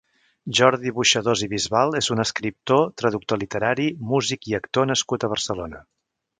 Jordi Boixadós i Bisbal és un escriptor, traductor literari, músic i actor nascut a Barcelona.